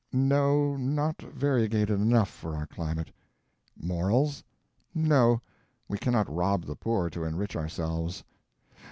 No, not variegated enough for our climate. Morals? No, we cannot rob the poor to enrich ourselves.